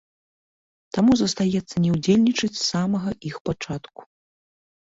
Таму застаецца не ўдзельнічаць з самага іх пачатку.